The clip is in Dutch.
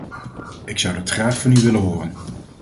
Ik zou dat graag van u willen horen.